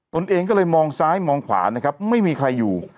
ตัวเองก็เลยมองซ้ายมองขวานะครับไม่มีใครอยู่